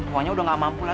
bila mengunjung kawasan ini